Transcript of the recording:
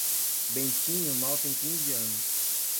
Bentinho mal tem quinze anos.